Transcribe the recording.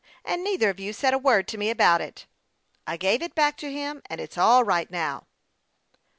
And neither of you said a word to me about it." " I gave it back to him, and it's all right now."